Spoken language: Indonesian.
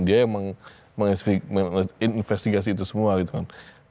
dia yang menginvestigasi itu semua gitu kan